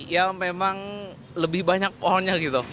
ya memang lebih banyak pohonnya gitu